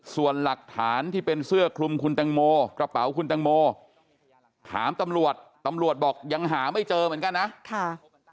ส่วนหลักฐานที่เป็นเสื้อคลุมคุณตังโมกระเป๋าคุณตังโมถามตำรวจตำรวจบอกยังหาไม่เจอเหมือนกันนะค่ะ